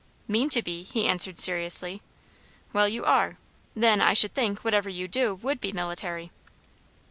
"Mean to be," he answered seriously. "Well, you are. Then, I should think, whatever you do would be military."